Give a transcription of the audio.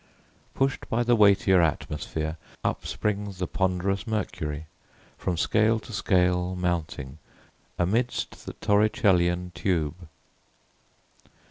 Push'd by the weightier atmosphere, up springs The ponderous mercury, from scale to scale Mounting, amidst the Torricellian tube.